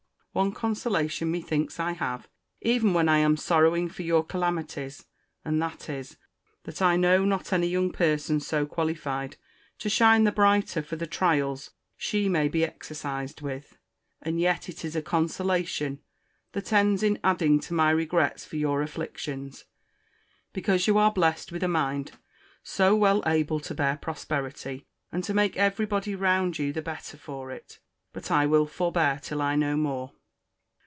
One consolation, methinks, I have, even when I am sorrowing for your calamities; and that is, that I know not any young person so qualified to shine the brighter for the trials she may be exercised with: and yet it is a consolation that ends in adding to my regrets for your afflictions, because you are blessed with a mind so well able to bear prosperity, and to make every body round you the better for it!—But I will forbear till I know more.